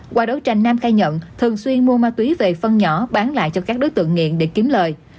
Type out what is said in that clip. qua đấu tranh nam khai nhận thường xuyên mua ma túy về phân nhỏ bán lại cho các đối tượng nghiện để kiếm lời